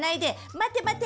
待て待て！